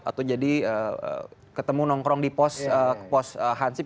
atau jadi ketemu nongkrong di pos hansip